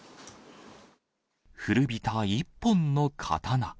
古びた一本の刀。